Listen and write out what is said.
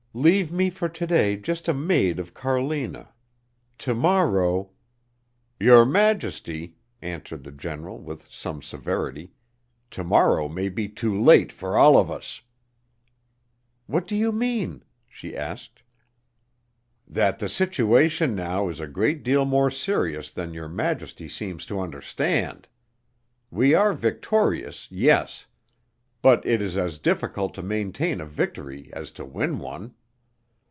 "Leave me for to day just a maid of Carlina. To morrow " "Your Majesty," answered the General, with some severity, "to morrow may be too late for all of us." "What do you mean?" she asked. "That the situation now is a great deal more serious than your Majesty seems to understand. We are victorious, yes. But it is as difficult to maintain a victory as to win one.